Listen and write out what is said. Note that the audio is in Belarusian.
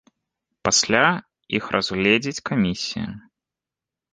Пасля іх разгледзіць камісія.